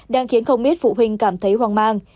đang khiến không ít phụ huynh cảm thấy hoang mang